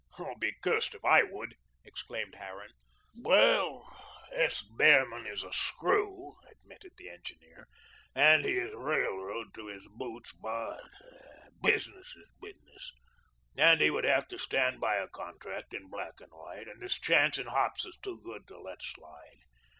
"I'll be cursed if I would!" exclaimed Harran. "Well, S. Behrman is a screw," admitted the engineer, "and he is 'railroad' to his boots; but business is business, and he would have to stand by a contract in black and white, and this chance in hops is too good to let slide.